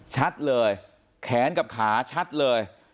ชัดเลยแขนกับขาชัดเลย